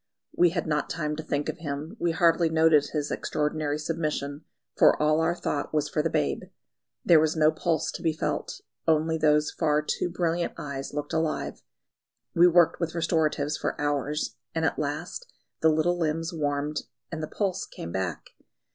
We had not time to think of him, we hardly noted his extraordinary submission, for all our thought was for the babe. There was no pulse to be felt, only those far too brilliant eyes looked alive. We worked with restoratives for hours, and at last the little limbs warmed and the pulse came back.